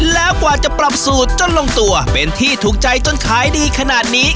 แล้วกว่าจะปรับสูตรจนลงตัวเป็นที่ถูกใจจนขายดีขนาดนี้